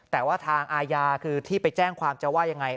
แต่ว่าทางอาญาคือที่ไปแจ้งความจะว่ายังไง